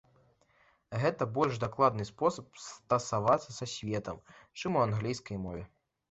Гэта больш дакладны спосаб стасавацца са светам, чым у англійскай мове.